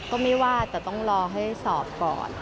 ก็ไม่ว่าแต่ต้องรอให้สอบก่อน